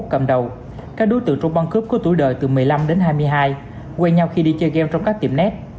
cầm đầu các đối tượng trong băng cướp có tuổi đời từ một mươi năm đến hai mươi hai quen nhau khi đi chơi gam trong các tiệm net